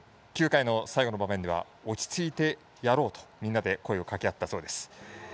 ９回の最後の場面は落ち着いてやろうとみんなで声をかけ合ったそうです。